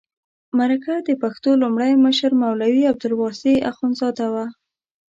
د مرکه د پښتو لومړی مشر مولوي عبدالواسع اخندزاده و.